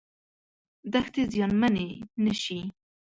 دښتې زیانمنې نشي.